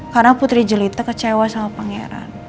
karena putri jelita kecewa sama pangeran